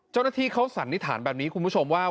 เจ้าหน้าที่เขาสันนิษฐานแบบนี้คุณผู้ชมว่า